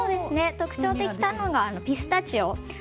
特徴的なのがピスタチオ。